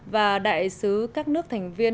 và đại sứ các nước thành viên